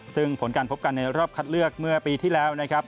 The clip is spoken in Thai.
ซึ่งผลการพบกันในรอบคัดเลือกเมื่อปีที่แล้วนะครับ